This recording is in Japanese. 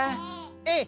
ええ。